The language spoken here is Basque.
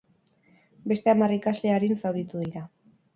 Beste hamar ikasle arin zauritu dira.